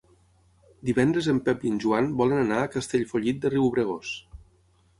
Divendres en Pep i en Joan volen anar a Castellfollit de Riubregós.